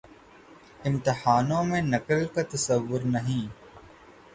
امتحانوں میں نقل کا تصور نہیں۔